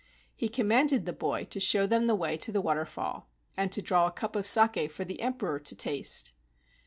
He commanded the boy to show them the way to the waterfall and to draw a cup of saki for the Emperor to taste.